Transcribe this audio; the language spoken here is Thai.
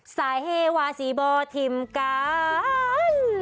ไซเฮวาซีบอทิมกัน